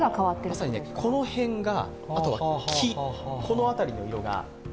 まさにこの辺、木の辺りの色が。